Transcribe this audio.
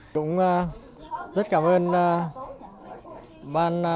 cũng rất cảm ơn